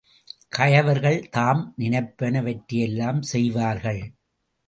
கயவர்கள் தாம் நினைப்பன வற்றையெல்லாம் செய்வார்கள்.